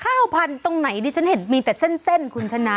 ข้าวพันธุ์ตรงไหนดิฉันเห็นมีแต่เส้นคุณชนะ